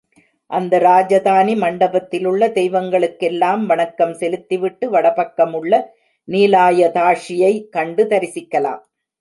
அந்த ராஜதானி மண்டபத்திலுள்ள தெய்வங்களுக்கெல்லாம் வணக்கம் செலுத்தி விட்டு வடபக்கம் உள்ள நீலாயதாக்ஷியைக் கண்டு தரிசிக்கலாம்.